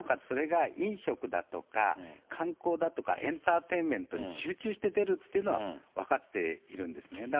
それが飲食だとか、観光だとか、エンターテインメントに集中して出るっていうのは分かっているんですね。